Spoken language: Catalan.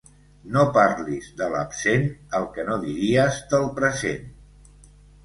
No parlis de l'absent el que no diries del present.